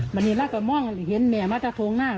วันนี้เราก็มองเห็นแม่มาตะโพงหน้า